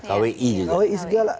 ada kwi juga